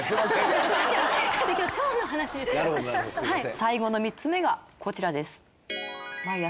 最後の３つ目がこちらです。